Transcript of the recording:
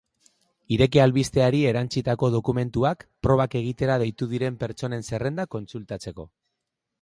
Ireki albisteari erantsitako dokumentuak probak egitera deitu diren pertsonen zerrendak kontsultatzeko.